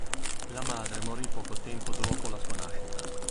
La madre morì poco tempo dopo la sua nascita.